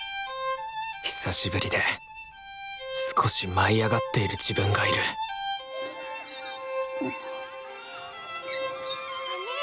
久しぶりで少し舞い上がっている自分がいるねえ。